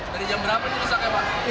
dari jam berapa itu rusaknya pak